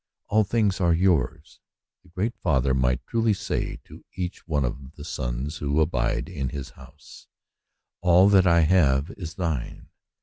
"All things are yours." The great Father might truly say to each one of the sons who abide in his house, "All that I have is thine.'